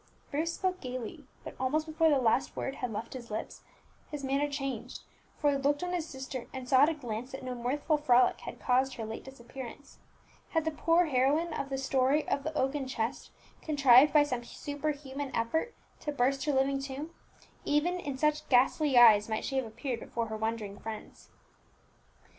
Bruce spoke gaily, but almost before the last word had left his lips his manner changed, for he looked on his sister, and saw at a glance that no mirthful frolic had caused her late disappearance. Had the poor heroine of the story of the oaken chest contrived by some superhuman effort to burst her living tomb, even in such ghastly guise might she have appeared before her wondering friends.